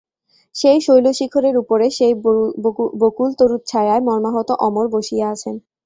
সেই শৈলশিখরের উপরে সেই বকুলতরুচ্ছায়ায় মর্মাহত অমর বসিয়া আছেন।